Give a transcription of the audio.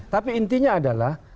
tapi intinya adalah